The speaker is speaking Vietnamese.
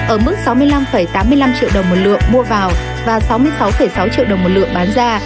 ở mức sáu mươi năm tám mươi năm triệu đồng một lượng mua vào và sáu mươi sáu sáu triệu đồng một lượng bán ra